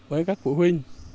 với các phụ huynh